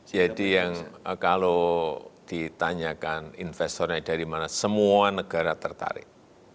jadi yang kalau ditanyakan investornya dari mana semua negara tertarik